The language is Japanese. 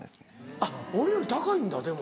あっ俺より高いんだでも。